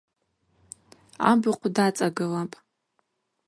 Абыхъв дацӏагылапӏ.